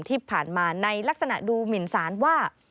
ที่ผ่านมาในลักษณะดูหมินสารว่า